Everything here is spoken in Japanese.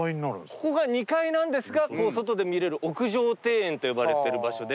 ここが２階なんですが外で見れる屋上庭園と呼ばれてる場所で。